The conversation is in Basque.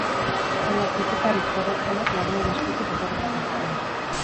Baina kritikarik zorrotzenak lagunen eskutik etorriko zaizkie.